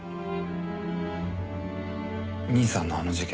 兄さんのあの事件